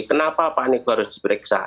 kenapa pak niko harus diperiksa